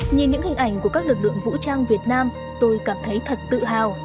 nhìn những hình ảnh của các lực lượng vũ trang việt nam tôi cảm thấy thật tự hào